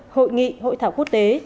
hội nghị hội thảo quốc tế